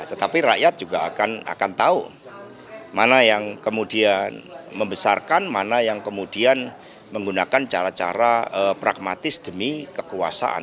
tetapi rakyat juga akan tahu mana yang kemudian membesarkan mana yang kemudian menggunakan cara cara pragmatis demi kekuasaan